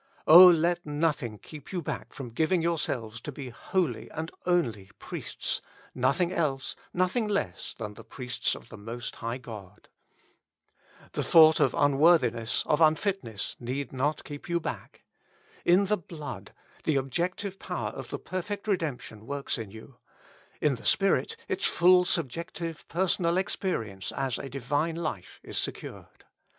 O let nothing keep you back from giving yourselves to be wholly and only priests— nothing else, nothing less than the priests of the Most High God. The thought of un worthiness, of unfitness, need not keep you back. In the Blood, the objective power of the perfect redemp tion works in you : in the Spirit^ its full subjective personal experience as a divine life is secured.